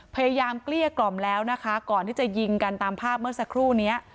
เกลี้ยกล่อมแล้วนะคะก่อนที่จะยิงกันตามภาพเมื่อสักครู่นี้